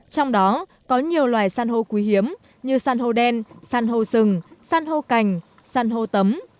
trong đó có nhiều loài san hô quý hiếm như san hô đen san hô rừng san hô cành san hô tấm